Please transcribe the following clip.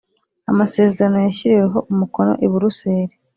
Amasezerano yashyiriweho umukono i buruseli